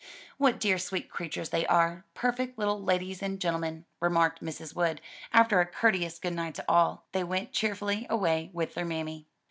"What dear sweet creatures they are! perfect little ladies and gentlemen," remarked Mrs. Wood, as, after a courteous good night to all, they went cheerfully away with their mammy.